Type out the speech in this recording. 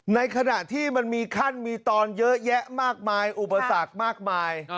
ในขณะที่มันมีขั้นมีตอนเยอะแยะมากมายอุปสรรคมากมาย